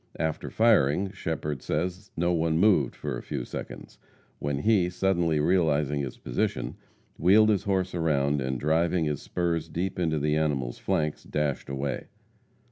After firing, Shepherd says no one moved for a few seconds, when he, suddenly realizing his position, wheeled his horse around, and driving his spurs deep into the animal's flanks, dashed away.